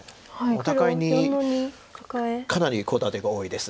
お互いにかなりコウ立てが多いです。